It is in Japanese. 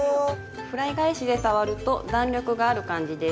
フライ返しで触ると弾力がある感じです。